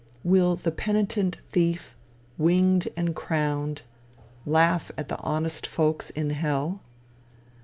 Will the penitent thief, winged and crowned, laugh at the honest folks in hell?